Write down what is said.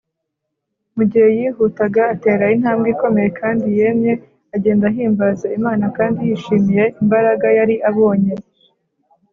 Mu gihe yihutaga atera intambwe ikomeye kandi yemye, agenda ahimbaza Imana kandi yishimiye imbaraga yari abonye,